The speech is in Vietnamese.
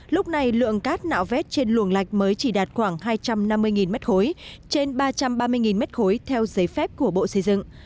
lúc này lượng cát nạo vét trên luồng lạch mới chỉ đạt khoảng hai trăm năm mươi m ba trên ba trăm ba mươi m ba theo giấy phép của bộ xây dựng